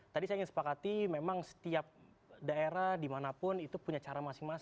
tadi saya ingin sepakati memang setiap daerah dimanapun itu punya cara masing masing